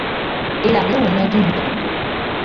এর আগেও অন্য একজন হতে পারত।